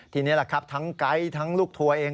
ทีนี้แหละครับทั้งไก๊ทั้งลูกทัวร์เอง